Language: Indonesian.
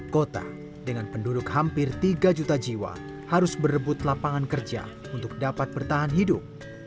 kota dengan penduduk hampir tiga juta jiwa harus berebut lapangan kerja untuk dapat bertahan hidup